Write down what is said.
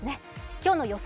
今日の予想